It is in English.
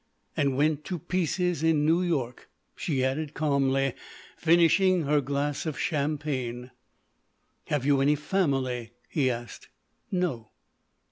"And went to pieces in New York," she added calmly, finishing her glass of champagne. "Have you any family?" he asked. "No."